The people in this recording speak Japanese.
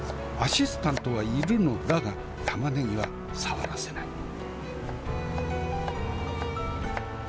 アシスタントはいるのだが玉ねぎは触らせない。